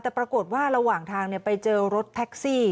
แต่ปรากฏว่าระหว่างทางไปเจอรถแท็กซี่